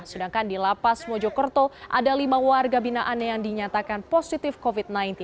sedangkan di lapas mojokerto ada lima warga binaan yang dinyatakan positif covid sembilan belas